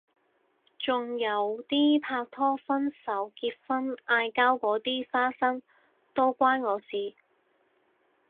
仲有啲拍拖分手結婚嗌交嗰啲花生都關我事